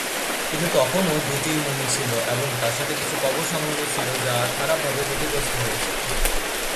কিন্তু তখনও দু'টি মমি ছিল এবং তার সাথে কিছু কবর সামগ্রী ছিল যা খারাপভাবে ক্ষতিগ্রস্ত হয়েছিল।